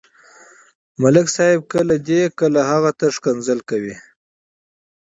ملک صاحب کله دې، کله هغه ته کنځل کوي.